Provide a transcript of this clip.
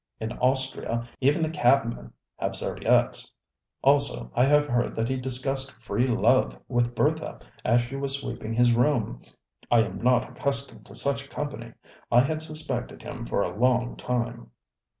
In Austria even the cabmen have serviettes. Also I have heard that he discussed ŌĆśfree loveŌĆÖ with Bertha as she was sweeping his room. I am not accustomed to such company. I had suspected him for a long time.